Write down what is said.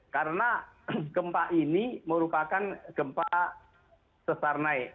karena gempa ini merupakan gempa sesarnaik